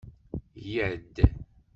Yya-d!